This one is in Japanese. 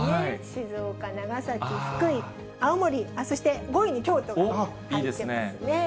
静岡、長崎、福井、青森、そして５位に京都が入ってますね。